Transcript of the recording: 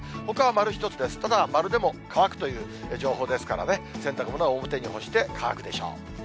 ほかは丸１つです、ただ、丸でも乾くという情報ですからね、洗濯物は表に干して、乾くでしょう。